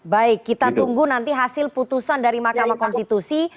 baik kita tunggu nanti hasil putusan dari mahkamah konstitusi